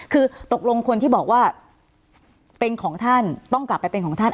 คือตกลงคนที่บอกว่าเป็นของท่านต้องกลับไปเป็นของท่าน